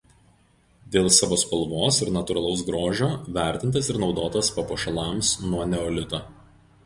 Dėl savo spalvos ir natūralaus grožio vertintas ir naudotas papuošalams nuo neolito.